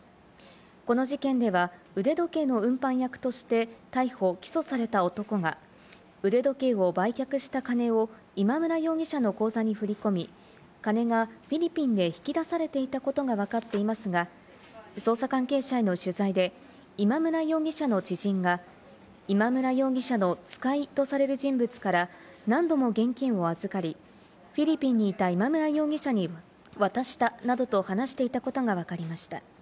この事件では、腕時計の運搬役として逮捕・起訴された男が腕時計を売却した金を今村容疑者の口座に振り込み、金がフィリピンで引き出されていたことがわかっていますが、捜査関係者への取材で今村容疑者の知人が今村容疑者の「使い」とされる人物から何度も現金を預かり、フィリピンにいた今村容疑者に渡したなどと話していたことがわかりました。